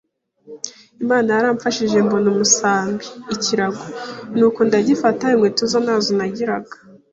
Imana yaramfashije mbona umusambi (Ikirago) nuko ndagifata, inkweto zo ntazo nagiraga,